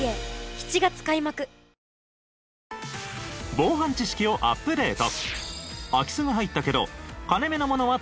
防犯知識をアップデート。